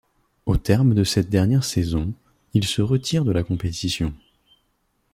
Au terme de cette dernière saison, il se retire de la compétition.